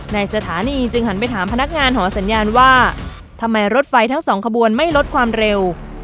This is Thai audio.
ในสถานีจึงหันไปถามพนักงานหอสัญญาณว่าทำไมรถไฟทั้งสองขบวนไม่ลดความเร็ว